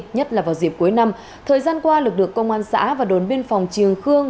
nhất là vào dịp cuối năm thời gian qua lực lượng công an xã và đồn biên phòng triềng khương